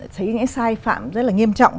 thấy những cái sai phạm rất là nghiêm trọng